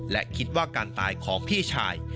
และคิดว่าการตายของพี่ชาย